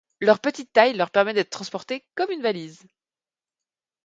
Leur petite taille leur permet d'être transportés comme une valise.